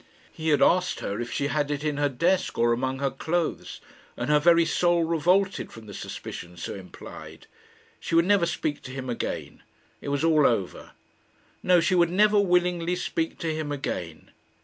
He had asked her if she had it in her desk or among her clothes, and her very soul revolted from the suspicion so implied. She would never speak to him again. It was all over. No; she would never willingly speak to him again.